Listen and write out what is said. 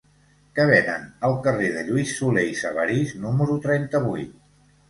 Què venen al carrer de Lluís Solé i Sabarís número trenta-vuit?